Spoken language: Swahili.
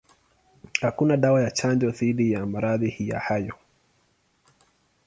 Hakuna dawa ya chanjo dhidi ya maradhi hayo.